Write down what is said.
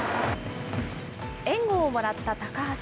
援護をもらった高橋。